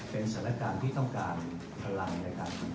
เป็นสถานการณ์ที่ต้องการพลังนะครับ